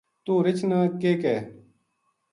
توہ رچھ نا کے کہے